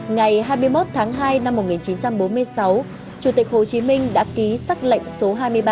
ngày hai mươi một tháng hai năm một nghìn chín trăm bốn mươi sáu chủ tịch hồ chí minh đã ký xác lệnh số hai mươi ba